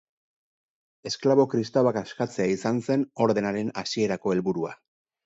Esklabo kristauak askatzea izan zen ordenaren hasierako helburua.